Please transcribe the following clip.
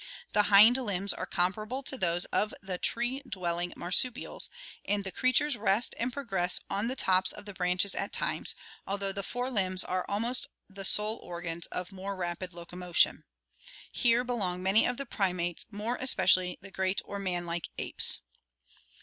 The hind limbs are com parable to those of the tree dwelling marsupials and the creatures rest and progress on the tops of the brandies at times, although the fore limbs are almost the sole organs of more rapid locomotion. Here belong many of the primates, more especially the great or manlike apes.